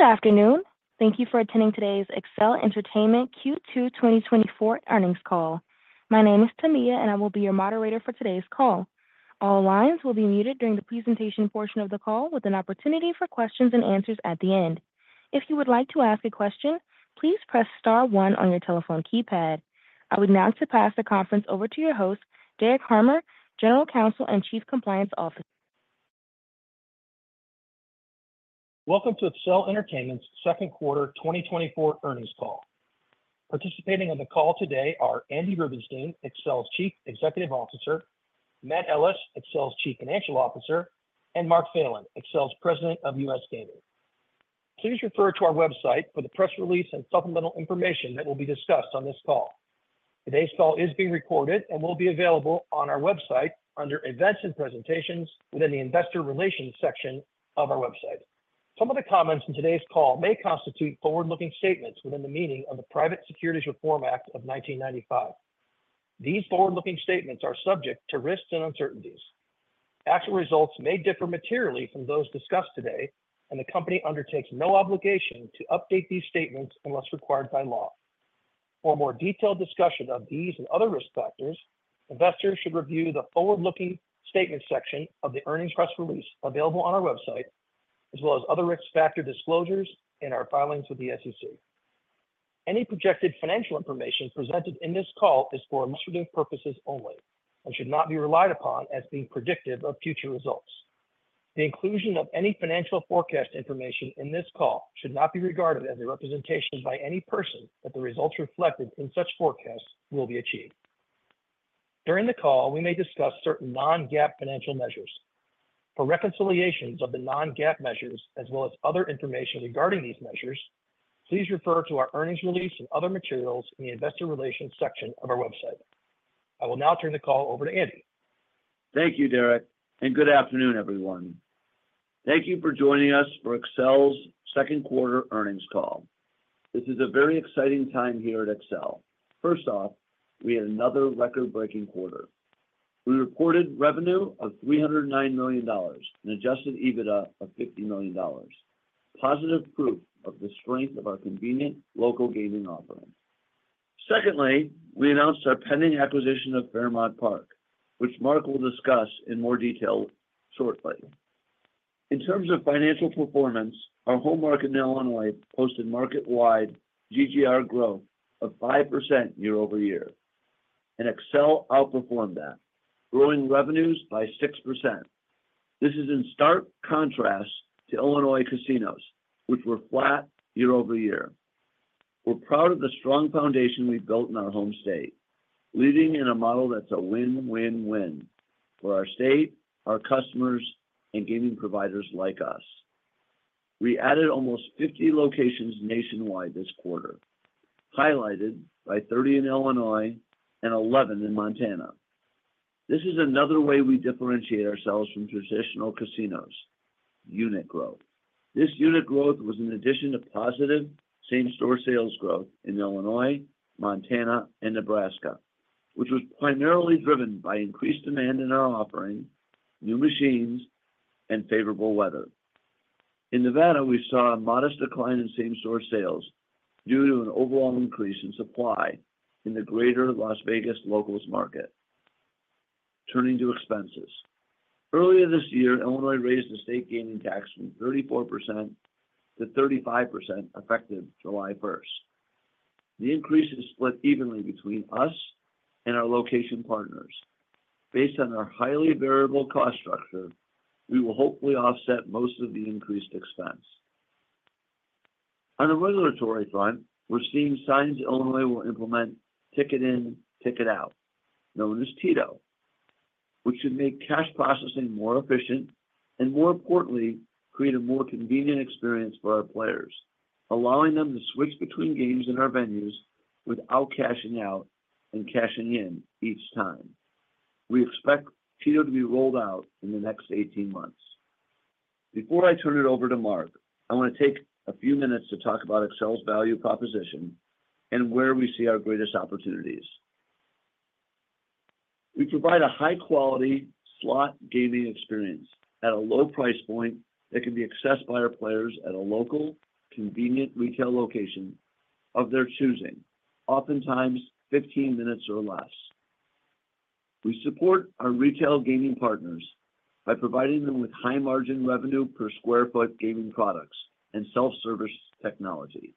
Good afternoon. Thank you for attending today's Accel Entertainment Q2 2024 earnings call. My name is Tamia, and I will be your moderator for today's call. All lines will be muted during the presentation portion of the call, with an opportunity for questions and answers at the end. If you would like to ask a question, please press star one on your telephone keypad. I would now pass the conference over to your host, Derek Harmer, General Counsel and Chief Compliance Officer. Welcome to Accel Entertainment's second quarter 2024 earnings call. Participating on the call today are Andy Rubenstein, Accel's Chief Executive Officer, Matt Ellis, Accel's Chief Financial Officer, and Mark Phelan, Accel's President of U.S. Gaming. Please refer to our website for the press release and supplemental information that will be discussed on this call. Today's call is being recorded and will be available on our website under Events and Presentations within the Investor Relations section of our website. Some of the comments in today's call may constitute forward-looking statements within the meaning of the Private Securities Litigation Reform Act of 1995. These forward-looking statements are subject to risks and uncertainties. Actual results may differ materially from those discussed today, and the company undertakes no obligation to update these statements unless required by law. For a more detailed discussion of these and other risk factors, investors should review the forward-looking statements section of the earnings press release available on our website, as well as other risk factor disclosures in our filings with the SEC. Any projected financial information presented in this call is for illustrative purposes only and should not be relied upon as being predictive of future results. The inclusion of any financial forecast information in this call should not be regarded as a representation by any person that the results reflected in such forecasts will be achieved. During the call, we may discuss certain non-GAAP financial measures. For reconciliations of the non-GAAP measures, as well as other information regarding these measures, please refer to our earnings release and other materials in the Investor Relations section of our website. I will now turn the call over to Andy. Thank you, Derek, and good afternoon, everyone. Thank you for joining us for Accel's second quarter earnings call. This is a very exciting time here at Accel. First off, we had another record-breaking quarter. We reported revenue of $309 million and adjusted EBITDA of $50 million. Positive proof of the strength of our convenient local gaming offering. Secondly, we announced our pending acquisition of Fairmount Park, which Mark will discuss in more detail shortly. In terms of financial performance, our home market in Illinois posted market-wide GGR growth of 5% year-over-year, and Accel outperformed that, growing revenues by 6%. This is in stark contrast to Illinois casinos, which were flat year-over-year. We're proud of the strong foundation we've built in our home state, leading in a model that's a win, win, win for our state, our customers, and gaming providers like us. We added almost 50 locations nationwide this quarter, highlighted by 30 in Illinois and 11 in Montana. This is another way we differentiate ourselves from traditional casinos: unit growth. This unit growth was in addition to positive same-store sales growth in Illinois, Montana, and Nebraska, which was primarily driven by increased demand in our offering, new machines, and favorable weather. In Nevada, we saw a modest decline in same-store sales due to an overall increase in supply in the greater Las Vegas locals market. Turning to expenses. Earlier this year, Illinois raised the state gaming tax from 34% to 35%, effective July 1st. The increase is split evenly between us and our location partners. Based on our highly variable cost structure, we will hopefully offset most of the increased expense. On a regulatory front, we're seeing signs Illinois will implement ticket-in, ticket-out, known as TITO, which should make cash processing more efficient and, more importantly, create a more convenient experience for our players, allowing them to switch between games in our venues without cashing out and cashing in each time. We expect TITO to be rolled out in the next 18 months. Before I turn it over to Mark, I want to take a few minutes to talk about Accel's value proposition and where we see our greatest opportunities. We provide a high-quality slot gaming experience at a low price point that can be accessed by our players at a local, convenient retail location of their choosing, oftentimes 15 minutes or less. We support our retail gaming partners by providing them with high-margin revenue per square foot gaming products and self-service technology.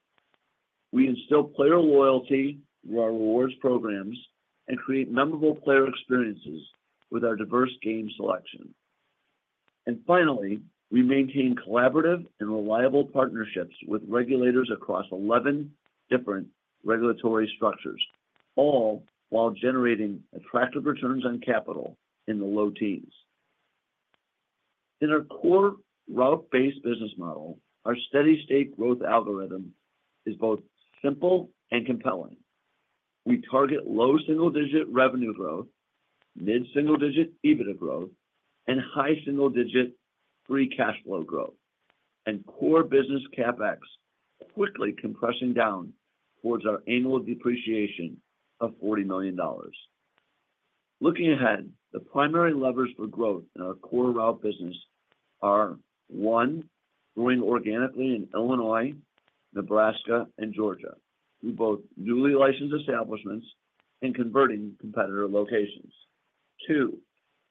We instill player loyalty through our rewards programs and create memorable player experiences with our diverse game selection. Finally, we maintain collaborative and reliable partnerships with regulators across 11 different regulatory structures, all while generating attractive returns on capital in the low teens. In our core route-based business model, our steady-state growth algorithm is both simple and compelling. We target low single-digit revenue growth, mid-single-digit EBITDA growth, and high single-digit free cash flow growth, and core business CapEx quickly compressing down towards our annual depreciation of $40 million. Looking ahead, the primary levers for growth in our core route business are: one, growing organically in Illinois, Nebraska, and Georgia, through both newly licensed establishments and converting competitor locations. Two,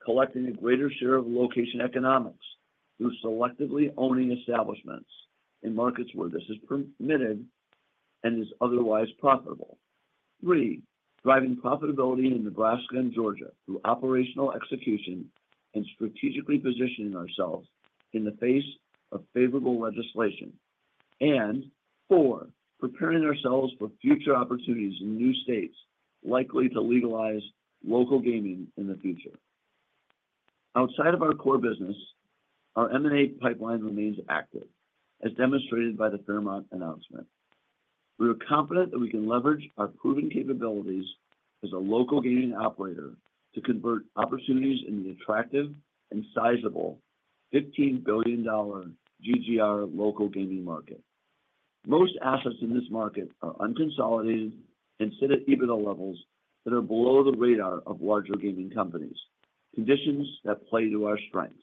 collecting a greater share of location economics through selectively owning establishments in markets where this is permitted and is otherwise profitable. Three, driving profitability in Nebraska and Georgia through operational execution and strategically positioning ourselves in the face of favorable legislation. And four, preparing ourselves for future opportunities in new states likely to legalize local gaming in the future. Outside of our core business, our M&A pipeline remains active, as demonstrated by the Fairmount announcement. We are confident that we can leverage our proven capabilities as a local gaming operator to convert opportunities in the attractive and sizable $15 billion GGR local gaming market. Most assets in this market are unconsolidated and sit at EBITDA levels that are below the radar of larger gaming companies, conditions that play to our strengths.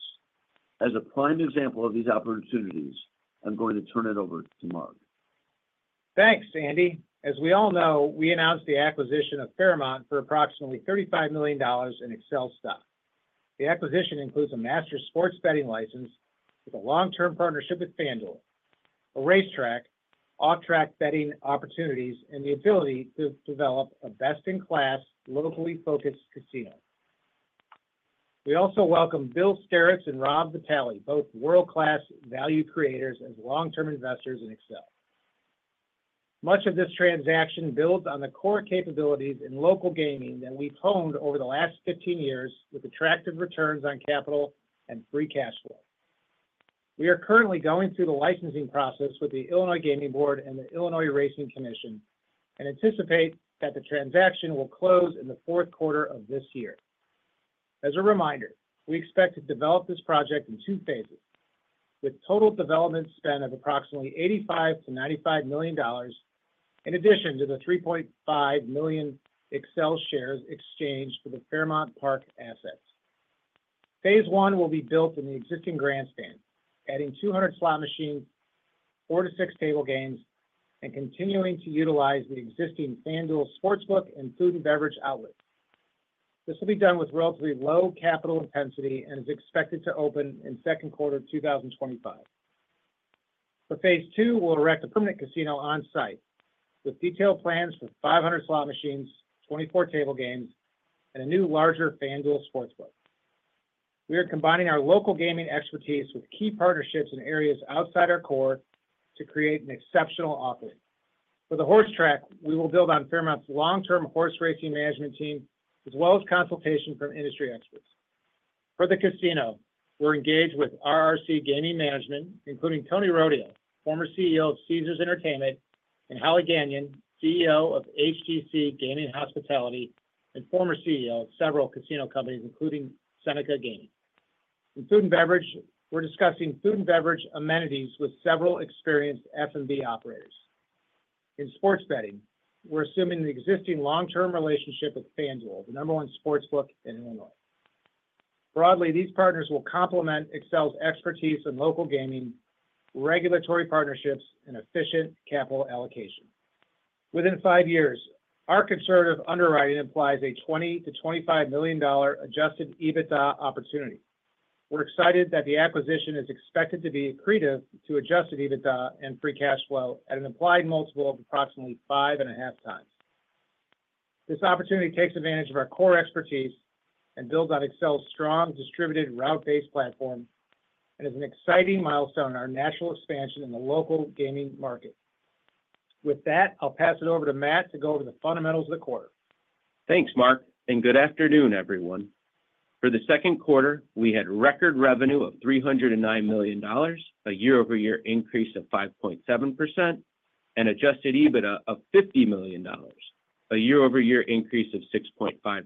As a prime example of these opportunities, I'm going to turn it over to Mark. Thanks, Andy. As we all know, we announced the acquisition of Fairmount for approximately $35 million in Accel stock. The acquisition includes a master sports betting license with a long-term partnership with FanDuel, a racetrack, off-track betting opportunities, and the ability to develop a best-in-class, locally focused casino. We also welcome Bill Stiritz and Rob Vitale, both world-class value creators, as long-term investors in Accel. Much of this transaction builds on the core capabilities in local gaming that we've honed over the last 15 years, with attractive returns on capital and free cash flow. We are currently going through the licensing process with the Illinois Gaming Board and the Illinois Racing Commission, and anticipate that the transaction will close in the fourth quarter of this year. As a reminder, we expect to develop this project in two phases, with total development spend of approximately $85 million-$95 million, in addition to the 3.5 million Accel shares exchanged for the Fairmount Park assets. Phase one will be built in the existing grandstand, adding 200 slot machines, four to six table games, and continuing to utilize the existing FanDuel Sportsbook and food and beverage outlet. This will be done with relatively low capital intensity and is expected to open in second quarter of 2025. For phase two, we'll erect a permanent casino on-site, with detailed plans for 500 slot machines, 24 table games, and a new, larger FanDuel Sportsbook. We are combining our local gaming expertise with key partnerships in areas outside our core to create an exceptional offering. For the horse track, we will build on Fairmount's long-term horse racing management team, as well as consultation from industry experts. For the casino, we're engaged with RRC Gaming Management, including Tony Rodio, former CEO of Caesars Entertainment, and Holly Gagnon, CEO of HGC Gaming Hospitality, and former CEO of several casino companies, including Seneca Gaming. In food and beverage, we're discussing food and beverage amenities with several experienced F&B operators. In sports betting, we're assuming the existing long-term relationship with FanDuel, the number one sportsbook in Illinois. Broadly, these partners will complement Accel's expertise in local gaming, regulatory partnerships, and efficient capital allocation. Within five years, our conservative underwriting implies a $20 million-$25 million adjusted EBITDA opportunity. We're excited that the acquisition is expected to be accretive to adjusted EBITDA and free cash flow at an implied multiple of approximately 5.5x. This opportunity takes advantage of our core expertise and builds on Accel's strong, distributed, route-based platform, and is an exciting milestone in our national expansion in the local gaming market. With that, I'll pass it over to Matt to go over the fundamentals of the quarter. Thanks, Mark, and good afternoon, everyone. For the second quarter, we had record revenue of $309 million, a year-over-year increase of 5.7%, and adjusted EBITDA of $50 million, a year-over-year increase of 6.5%.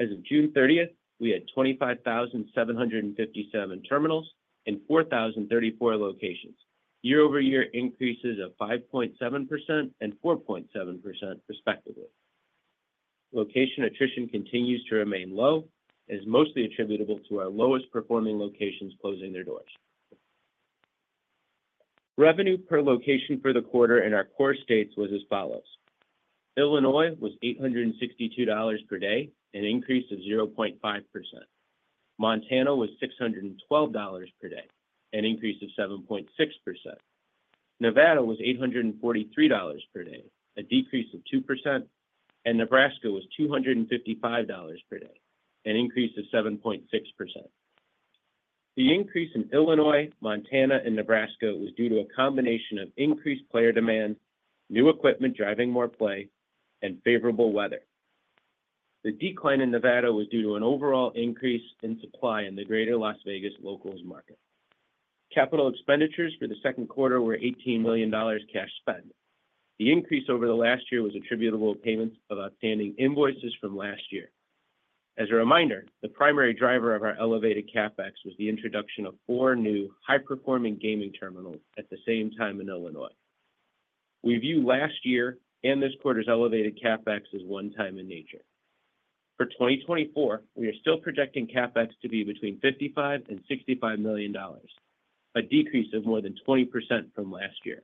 As of June 30th, we had 25,757 terminals in 4,034 locations, year-over-year increases of 5.7% and 4.7%, respectively. Location attrition continues to remain low, and is mostly attributable to our lowest-performing locations closing their doors. Revenue per location for the quarter in our core states was as follows: Illinois was $862 per day, an increase of 0.5%. Montana was $612 per day, an increase of 7.6%. Nevada was $843 per day, a decrease of 2%, and Nebraska was $255 per day, an increase of 7.6%. The increase in Illinois, Montana, and Nebraska was due to a combination of increased player demand, new equipment driving more play, and favorable weather. The decline in Nevada was due to an overall increase in supply in the greater Las Vegas locals market. Capital expenditures for the second quarter were $18 million cash spent. The increase over the last year was attributable to payments of outstanding invoices from last year. As a reminder, the primary driver of our elevated CapEx was the introduction of four new high-performing gaming terminals at the same time in Illinois. We view last year and this quarter's elevated CapEx as one-time in nature. For 2024, we are still projecting CapEx to be between $55 million and $65 million, a decrease of more than 20% from last year.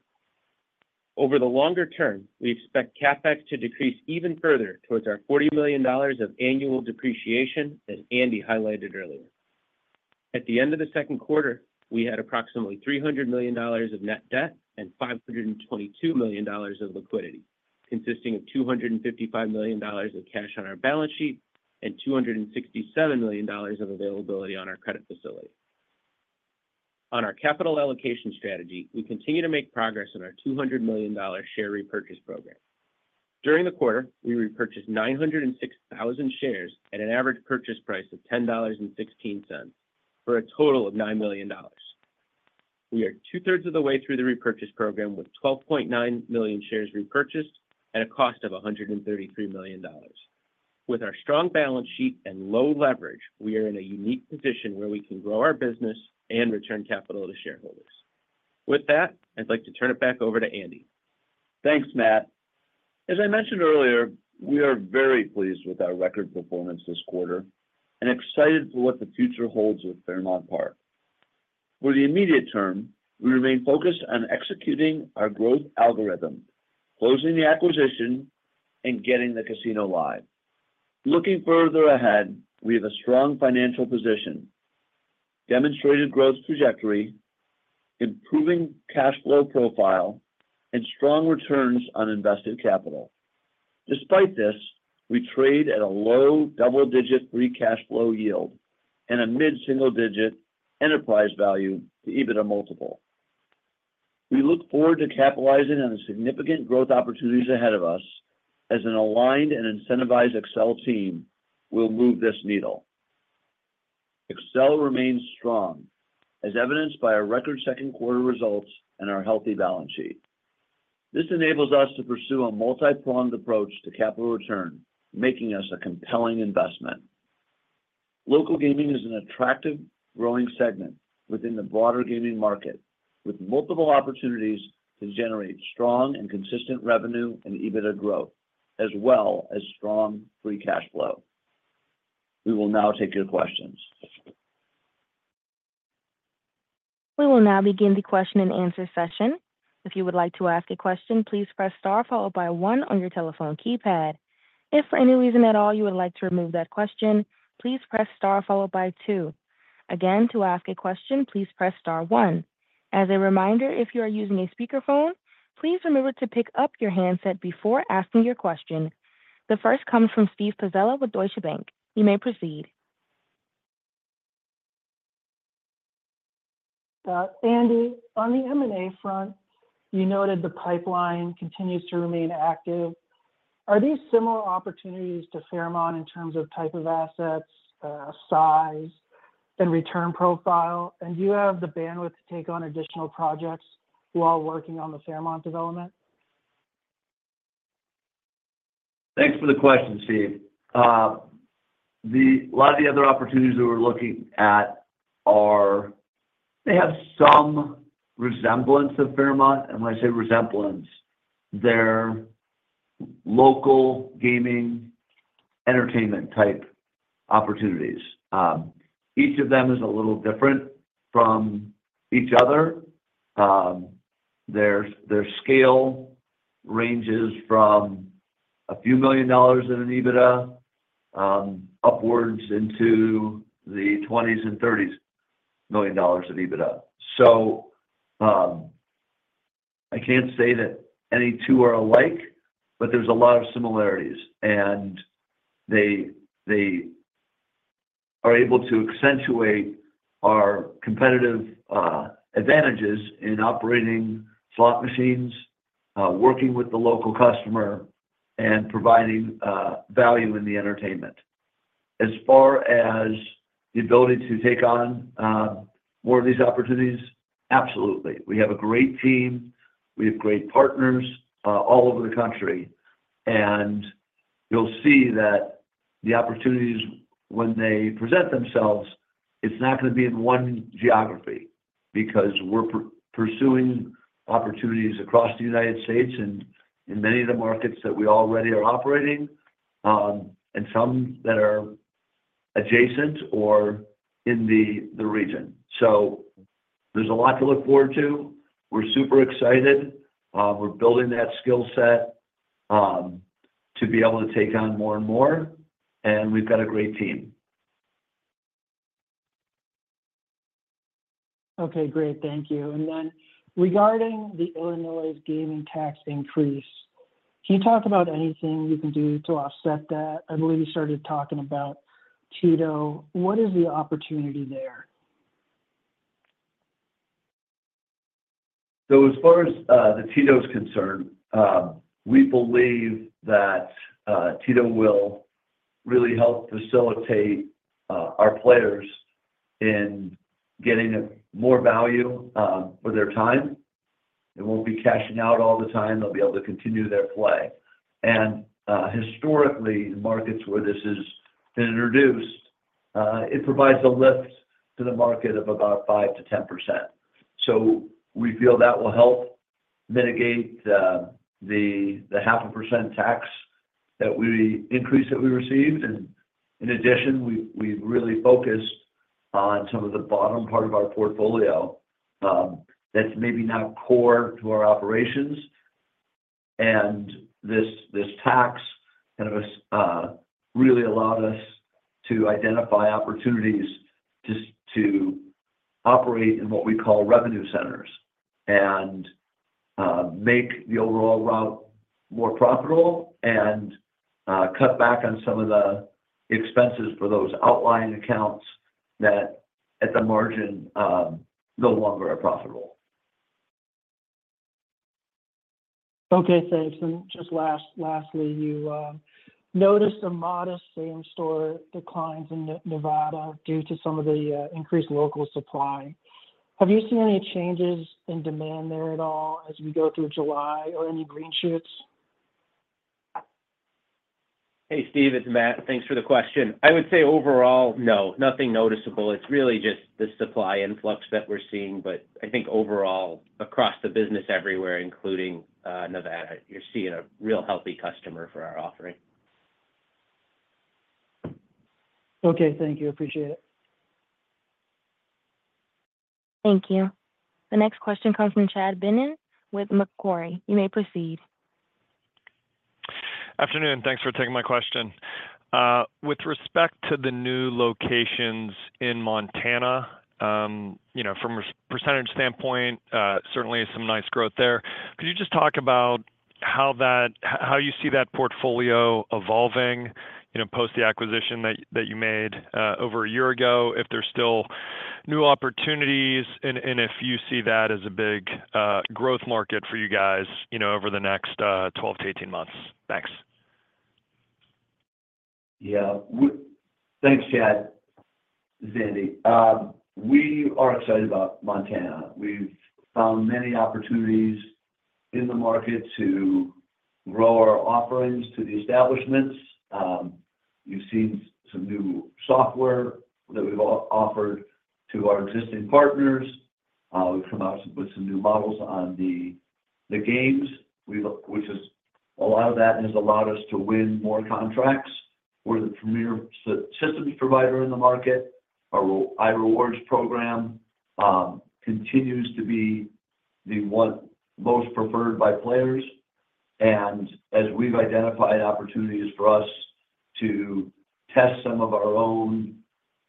Over the longer term, we expect CapEx to decrease even further towards our $40 million of annual depreciation that Andy highlighted earlier. At the end of the second quarter, we had approximately $300 million of net debt and $522 million of liquidity, consisting of $255 million of cash on our balance sheet and $267 million of availability on our credit facility. On our Capital Allocation strategy, we continue to make progress in our $200 million share repurchase program. During the quarter, we repurchased 906,000 shares at an average purchase price of $10.16, for a total of $9 million. We are two-thirds of the way through the repurchase program, with 12.9 million shares repurchased at a cost of $133 million. With our strong balance sheet and low leverage, we are in a unique position where we can grow our business and return capital to shareholders. With that, I'd like to turn it back over to Andy. Thanks, Matt. As I mentioned earlier, we are very pleased with our record performance this quarter and excited for what the future holds with Fairmount Park. For the immediate term, we remain focused on executing our growth algorithm, closing the acquisition, and getting the casino live. Looking further ahead, we have a strong financial position, demonstrated growth trajectory, improving cash flow profile, and strong returns on invested capital. Despite this, we trade at a low double-digit free cash flow yield and a mid-single digit enterprise value to EBITDA multiple. We look forward to capitalizing on the significant growth opportunities ahead of us as an aligned and incentivized Accel team will move this needle. Accel remains strong, as evidenced by our record second quarter results and our healthy balance sheet. This enables us to pursue a multi-pronged approach to capital return, making us a compelling investment. Local gaming is an attractive, growing segment within the broader gaming market, with multiple opportunities to generate strong and consistent revenue and EBITDA growth, as well as strong free cash flow. We will now take your questions. We will now begin the question-and-answer session. If you would like to ask a question, please press star followed by one on your telephone keypad. If, for any reason at all, you would like to remove that question, please press star followed by two. Again, to ask a question, please press star one. As a reminder, if you are using a speakerphone, please remember to pick up your handset before asking your question. The first comes from Steve Pizzella with Deutsche Bank. You may proceed. Andy, on the M&A front, you noted the pipeline continues to remain active. Are these similar opportunities to Fairmount in terms of type of assets, size, and return profile? Do you have the bandwidth to take on additional projects while working on the Fairmount development? Thanks for the question, Steve. A lot of the other opportunities that we're looking at are, they have some resemblance of Fairmount, and when I say resemblance, they're local gaming, entertainment-type opportunities. Each of them is a little different from each other. Their scale ranges from a few million dollars of EBITDA, upwards into the $20s and $30s million dollars of EBITDA. So, I can't say that any two are alike, but there's a lot of similarities. And they are able to accentuate our competitive advantages in operating slot machines, working with the local customer, and providing value in the entertainment. As far as the ability to take on more of these opportunities, absolutely. We have a great team, we have great partners all over the country, and you'll see that the opportunities, when they present themselves, it's not going to be in one geography, because we're pursuing opportunities across the United States and in many of the markets that we already are operating, and some that are adjacent or in the region. So there's a lot to look forward to. We're super excited. We're building that skill set to be able to take on more and more, and we've got a great team. Okay, great. Thank you. And then, regarding the Illinois gaming tax increase, can you talk about anything you can do to offset that? I believe you started talking about TITO. What is the opportunity there? So as far as the TITO is concerned, we believe that TITO will really help facilitate our players in getting a more value for their time. They won't be cashing out all the time, they'll be able to continue their play. And historically, the markets where this has been introduced, it provides a lift to the market of about 5%-10%. So we feel that will help mitigate the 0.5% tax that we increase, that we received. And in addition, we've really focused on some of the bottom part of our portfolio, that's maybe not core to our operations. And this tax kind of really allowed us to identify opportunities just to operate in what we call revenue centers, and make the overall route more profitable and cut back on some of the expenses for those outlying accounts that at the margin no longer are profitable. Okay, thanks. And just last, lastly, you noticed a modest same-store declines in Nevada due to some of the increased local supply. Have you seen any changes in demand there at all as we go through July, or any green shoots? Hey, Steve, it's Matt. Thanks for the question. I would say overall, no, nothing noticeable. It's really just the supply influx that we're seeing. But I think overall, across the business everywhere, including, Nevada, you're seeing a real healthy customer for our offering. Okay. Thank you. Appreciate it. Thank you. The next question comes from Chad Beynon with Macquarie. You may proceed. Afternoon, and thanks for taking my question. With respect to the new locations in Montana, you know, from a revenue percentage standpoint, certainly some nice growth there. Could you just talk about how that—how you see that portfolio evolving, you know, post the acquisition that you made over a year ago? If there's still new opportunities, and if you see that as a big growth market for you guys, you know, over the next 12-18 months. Thanks. Yeah. Well, thanks, Chad. This is Andy. We are excited about Montana. We've found many opportunities in the market to grow our offerings to the establishments. You've seen some new software that we've offered to our existing partners. We've come out with some new models on the games. We've which is a lot of that has allowed us to win more contracts. We're the premier systems provider in the market. Our AE Rewards program continues to be the one most preferred by players. And as we've identified opportunities for us to test some of our own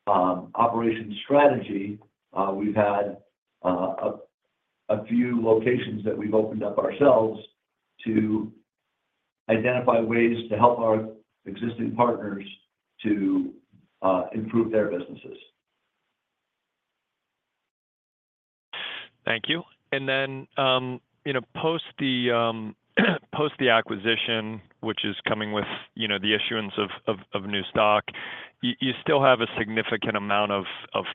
operation strategy, we've had a few locations that we've opened up ourselves to identify ways to help our existing partners to improve their businesses. Thank you. And then, you know, post the acquisition, which is coming with, you know, the issuance of new stock, you still have a significant amount of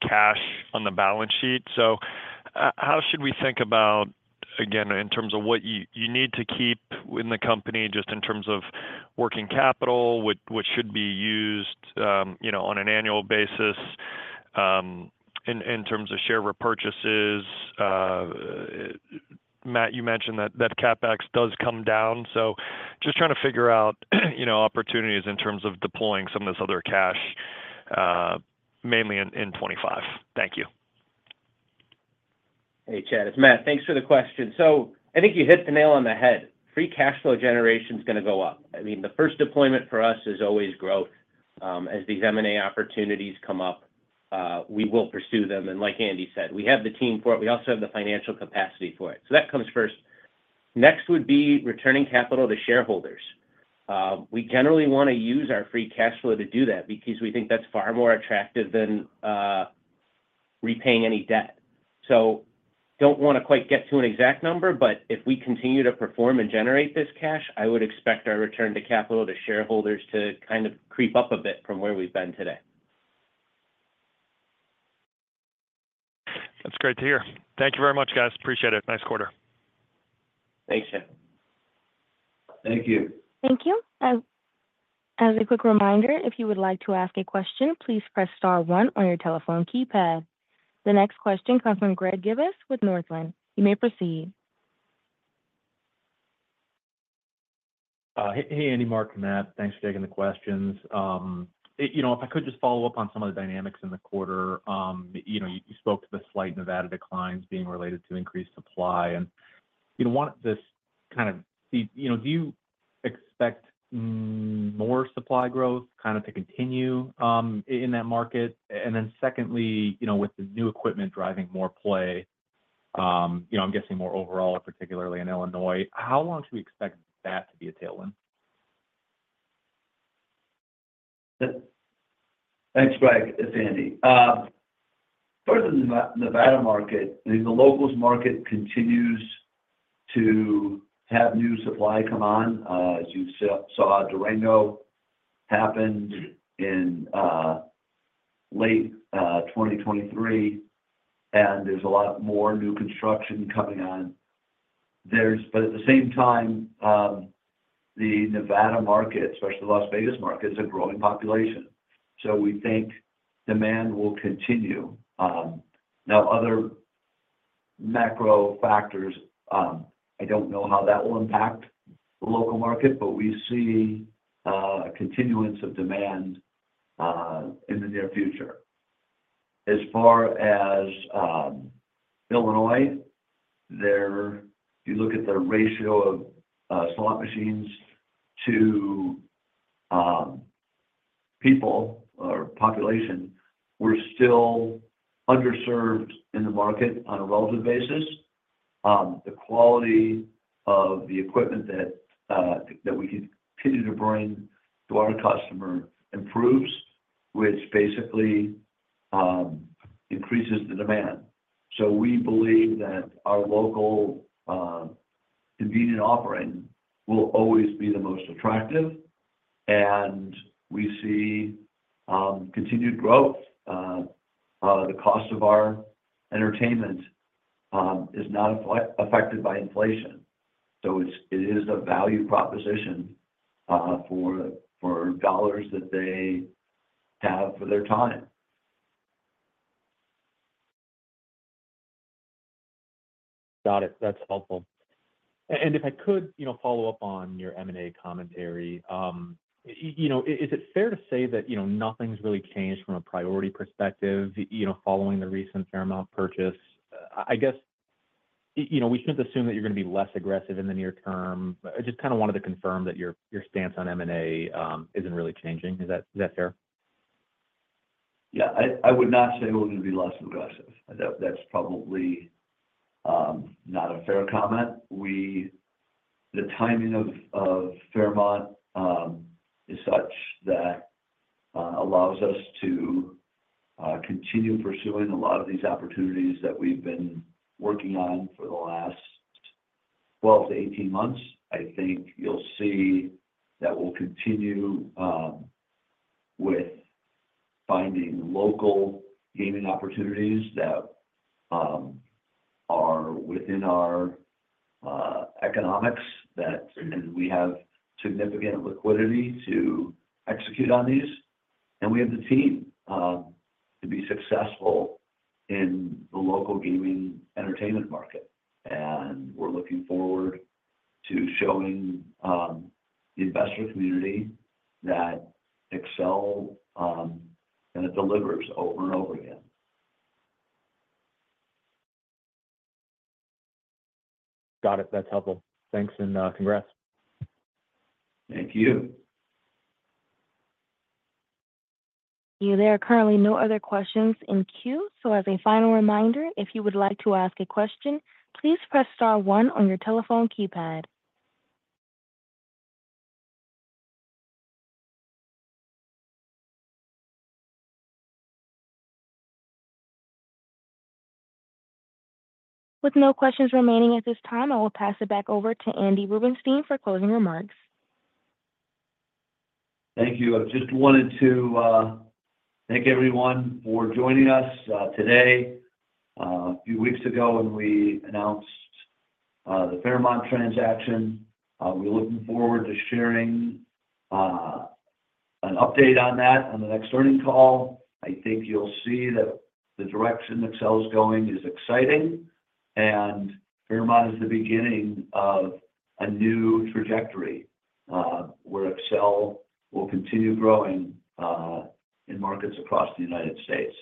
cash on the balance sheet. So how should we think about, again, in terms of what you need to keep in the company, just in terms of working capital, what should be used, you know, on an annual basis, in terms of share repurchases? Matt, you mentioned that CapEx does come down, so just trying to figure out, you know, opportunities in terms of deploying some of this other cash, mainly in 2025. Thank you. Hey, Chad, it's Matt. Thanks for the question. So I think you hit the nail on the head. Free cash flow generation is gonna go up. I mean, the first deployment for us is always growth. As these M&A opportunities come up, we will pursue them. And like Andy said, we have the team for it. We also have the financial capacity for it, so that comes first. Next would be returning capital to shareholders. We generally want to use our free cash flow to do that because we think that's far more attractive than repaying any debt. So don't want to quite get to an exact number, but if we continue to perform and generate this cash, I would expect our return to capital to shareholders to kind of creep up a bit from where we've been today. That's great to hear. Thank you very much, guys. Appreciate it. Nice quarter. Thanks, Chad. Thank you. Thank you. As a quick reminder, if you would like to ask a question, please press star one on your telephone keypad. The next question comes from Greg Gibas with Northland. You may proceed. Hey, Andy, Mark, and Matt. Thanks for taking the questions. You know, if I could just follow up on some of the dynamics in the quarter. You know, you spoke to the slight Nevada declines being related to increased supply, and, you know, wanted to kind of see. You know, do you expect more supply growth kind of to continue in that market? And then secondly, you know, with the new equipment driving more play, you know, I'm guessing more overall, particularly in Illinois, how long do we expect that to be a tailwind? Thanks, Greg. It's Andy. First, the Nevada market, the locals market continues to have new supply come on. As you saw, Durango happened in late 2023, and there's a lot more new construction coming on. But at the same time, the Nevada market, especially the Las Vegas market, is a growing population, so we think demand will continue. Now, other macro factors, I don't know how that will impact the local market, but we see a continuance of demand in the near future. As far as Illinois, there, you look at the ratio of slot machines to people or population, we're still underserved in the market on a relative basis. The quality of the equipment that that we continue to bring to our customer improves, which basically increases the demand. So we believe that our local, convenient offering will always be the most attractive, and we see continued growth. The cost of our entertainment is not affected by inflation, so it's a value proposition for dollars that they have for their time. Got it. That's helpful. And if I could, you know, follow up on your M&A commentary, you know, is it fair to say that, you know, nothing's really changed from a priority perspective, you know, following the recent Fairmount purchase? I guess, you know, we shouldn't assume that you're gonna be less aggressive in the near term. I just kind of wanted to confirm that your stance on M&A isn't really changing. Is that fair? Yeah, I would not say we're going to be less aggressive. That, that's probably not a fair comment. The timing of Fairmount is such that allows us to continue pursuing a lot of these opportunities that we've been working on for the last 12-18 months. I think you'll see that we'll continue with finding local gaming opportunities that are within our economics, that. And we have significant liquidity to execute on these, and we have the team to be successful in the local gaming entertainment market. And we're looking forward to showing the investor community that Accel and it delivers over and over again. Got it. That's helpful. Thanks, and, congrats. Thank you. There are currently no other questions in queue. As a final reminder, if you would like to ask a question, please press star one on your telephone keypad. With no questions remaining at this time, I will pass it back over to Andy Rubenstein for closing remarks. Thank you. I just wanted to thank everyone for joining us today. A few weeks ago, when we announced the Fairmount transaction, we're looking forward to sharing an update on that on the next earnings call. I think you'll see that the direction Accel is going is exciting, and Fairmount is the beginning of a new trajectory, where Accel will continue growing in markets across the United States.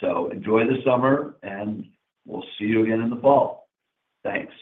So enjoy the summer, and we'll see you again in the fall. Thanks.